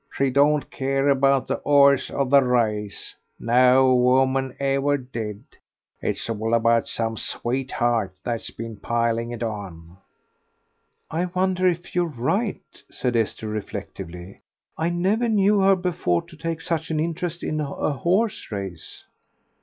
She don't care about the 'orse or the race no woman ever did; it's all about some sweetheart that's been piling it on." "I wonder if you're right," said Esther, reflectively. "I never knew her before to take such an interest in a horse race."